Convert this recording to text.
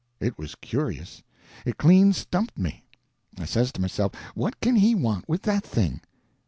It was curious. It clean stumped me. I says to myself, what can he want with that thing?